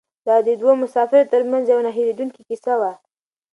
دا د دوو مسافرو تر منځ یوه نه هېرېدونکې کیسه وه.